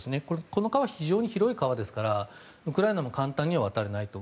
この川は非常に広いのでウクライナも簡単には渡れないと。